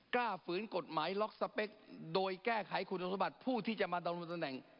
ฝืนกฎหมายล็อกสเปคโดยแก้ไขคุณสมบัติผู้ที่จะมาดำรงตำแหน่ง